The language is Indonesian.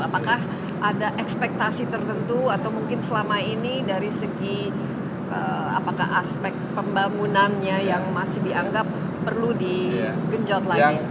apakah ada ekspektasi tertentu atau mungkin selama ini dari segi apakah aspek pembangunannya yang masih dianggap perlu digenjot lagi